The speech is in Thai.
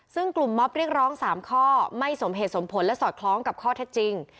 ซึ่งกลุ่มมอบเรียกร้อง๓ข้อไม่สมเหตุสมผลและสอดคล้องกับข้อเท็จจริง